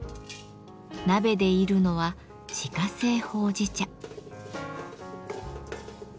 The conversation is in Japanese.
鍋で炒るのは自家製ほうじ茶。